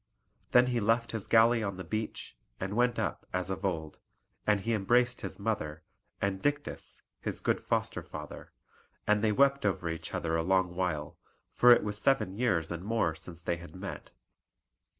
Then he left his galley on the beach, and went up as of old; and he embraced his mother, and Dictys his good foster father, and they wept over each other a long while, for it was seven years and more since they had met.